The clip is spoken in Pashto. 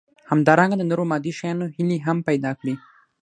همدارنګه د نورو مادي شيانو هيلې هم پيدا کړي.